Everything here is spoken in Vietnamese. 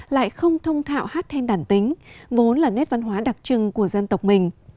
lại không thông thạo hát hèn đản tính vốn là nét văn hóa đặc trưng của dân tộc mình